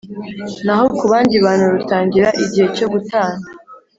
Naho ku bandi bantu rutangira igihe cyo gutana